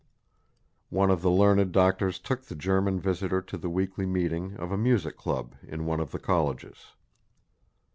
One of the learned doctors took the German visitor to the weekly meeting of a Music Club in one of the colleges.